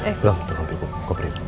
eh belum tolong ambil koper ya